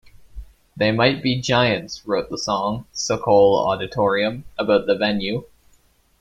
They Might Be Giants wrote the song, "Sokol Auditorium," about the venue.